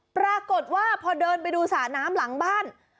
ปรากฏว่าพอเดินไปดูสระน้ำหลังบ้าน